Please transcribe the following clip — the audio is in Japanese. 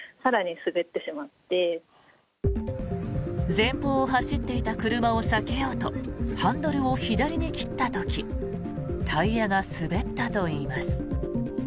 前方を走っていた車を避けようとハンドルを左に切った時タイヤが滑ったといいます。